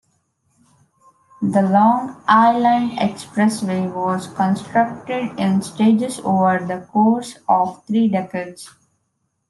The Long Island Expressway was constructed in stages over the course of three decades.